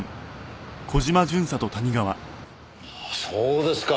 そうですか。